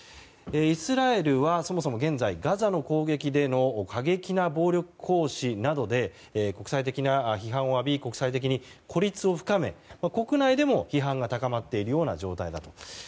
イスラエルはそもそも現在ガザの攻撃での過激な暴力行使などで国際的な批判を浴び国際的に孤立を深め国内でも批判が高まっているような状態だと。